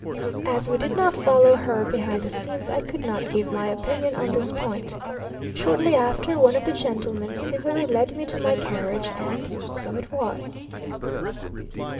As we did not follow her behind the scenes, I could not give my opinion on this point. Shortly after, one of the gentlemen civilly led me to my carriage, and so it was.